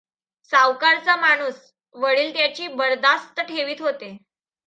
सावकाराचा माणूस! वडील त्याची बरदास्त ठेवीत होते.